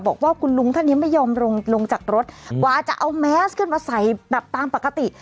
บอกว่าคุณลุงท่านนี้ไม่ยอมลงลงจากรถกว่าจะเอาแมสขึ้นมาใส่แบบตามปกติ